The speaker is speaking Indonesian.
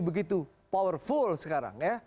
begitu powerful sekarang